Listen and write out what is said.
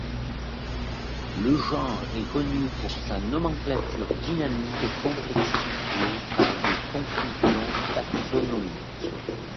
Le genre est connu pour sa nomenclature dynamique complexifiée par des confusions taxonomique.